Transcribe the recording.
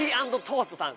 トースト？